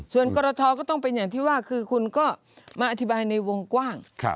ส่วนกรทก็ต้องเป็นอย่างที่ว่าคือคุณก็มาอธิบายในวงกว้าง